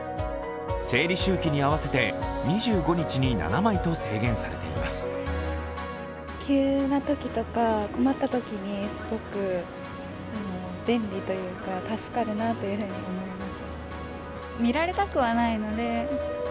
生理周期に合わせて２５日に７枚と制限されています。